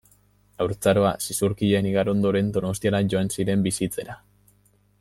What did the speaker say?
Haurtzaroa Zizurkilen igaro ondoren Donostiara joan ziren bizitzera.